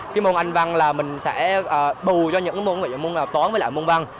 cái môn anh văn là mình sẽ bù cho những môn tón với lại môn văn